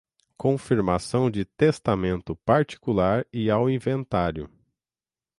confirmação de testamento particular e ao inventário